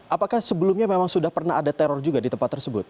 apakah sebelumnya memang sudah pernah ada teror juga di tempat tersebut